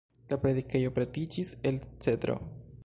La predikejo pretiĝis el cedro.